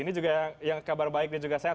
ini juga yang kabar baik dan juga sehat